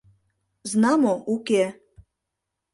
— Знамо, уке.